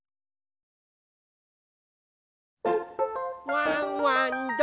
ワンワンどこだ？